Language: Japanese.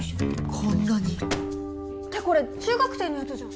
こんなに！？ってこれ中学生のやつじゃん